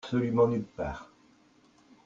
Absolument nulle part.